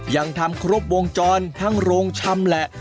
ยังทำครบวงจรทั้งโรงชำแหละ